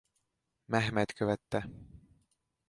Mehmed követte.